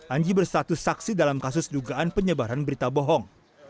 anji berstatus saksi dalam kasus dugaan penyebaran berita bohong